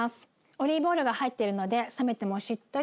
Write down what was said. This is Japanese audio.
オリーブオイルが入ってるので冷めてもしっとり。